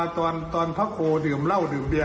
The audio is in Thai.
ตอนพระโคดื่มเหล้าดื่มเบีย